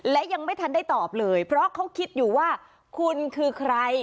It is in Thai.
และยังไม่ทันได้ตอบเลยเพราะเขาคิดอยู่ว่าคุณคือใคร